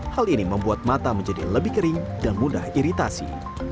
hal ini membuat mata menjadi lebih kering dan mudah iritasi